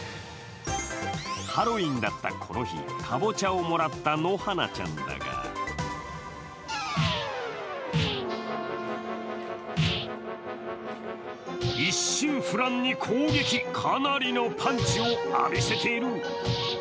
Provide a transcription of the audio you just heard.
ハロウィーンだったこの日、かぼちゃをもらったノハナちゃんだが一心不乱に攻撃、かなりのパンチを浴びせている。